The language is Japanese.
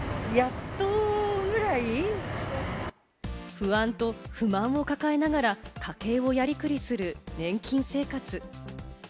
不安と不満を抱えながら家計をやりくりする年金生活。